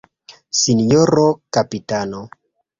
Sinjoro kapitano!